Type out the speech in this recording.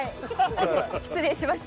失礼しました。